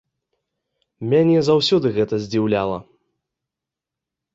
Мяне заўсёды гэта здзіўляла.